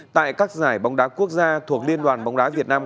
tại các giải bóng đá quốc gia thuộc liên đoàn bóng đá việt nam